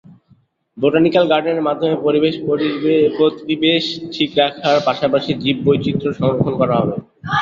Botanical গার্ডেনের মাধ্যমে পরিবেশ-প্রতিবেশ ঠিক রাখার পাশাপাশি জীববৈচিত্র্য সংরক্ষণ করা হবে।